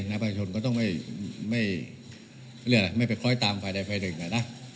นักภาษาชนก็ต้องไม่ไปคล้อยตามฝ่ายใดฝ่ายหนึ่งล่ะนะ